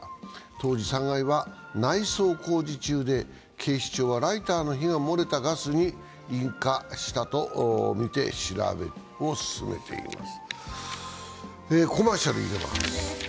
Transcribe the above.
当時、３階は内装工事中で警視庁はライターの火が漏れたガスに引火したとみて調べを進めています。